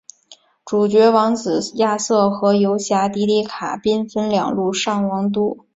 主角王子亚瑟与游侠迪迪卡兵分两路上王都。